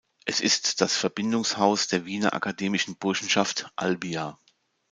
Es ist das Verbindungshaus der Wiener akademischen Burschenschaft Albia.